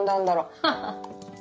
ハハハッ。